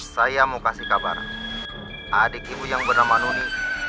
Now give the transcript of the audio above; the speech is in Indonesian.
saya mau kasih kabar adik ibu yang bernama nuni